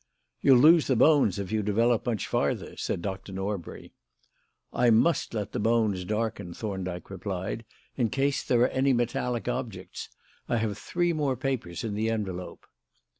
"You'll lose the bones if you develop much farther," said Dr. Norbury. "I must let the bones darken," Thorndyke replied, "in case there are any metallic objects. I have three more papers in the envelope."